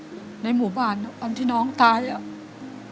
แล้วตอนนี้พี่พากลับไปในสามีออกจากโรงพยาบาลแล้วแล้วตอนนี้จะมาถ่ายรายการ